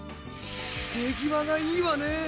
手際がいいわね